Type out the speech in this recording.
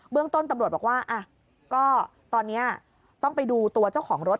เรื่องต้นตำรวจบอกว่าก็ตอนนี้ต้องไปดูตัวเจ้าของรถ